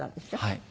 はい。